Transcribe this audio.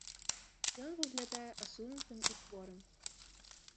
Ён выглядае асунутым і хворым.